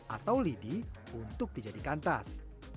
atau lidi untuk dijadikan tas